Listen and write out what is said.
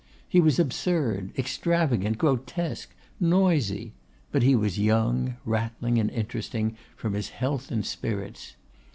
He was absurd, extravagant, grotesque, noisy; but he was young, rattling, and interesting, from his health and spirits.